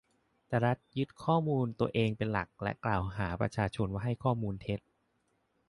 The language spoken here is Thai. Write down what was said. แต่รัฐยึดข้อมูลตัวเองเป็นหลักและกล่าวหาประชาชนว่าให้ข้อมูลเท็จ